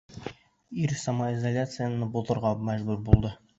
Ир «самоизоляция»ны боҙорға мәжбүр булды.